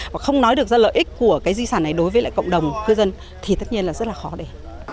và không nói được ra lợi ích của cái di sản này đối với lại cộng đồng cư dân thì tất nhiên là rất là khó để